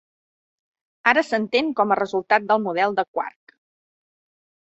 Ara s'entén com a resultat del model de quark.